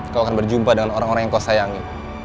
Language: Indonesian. kau akan berjumpa dengan orang orang yang kau sayangi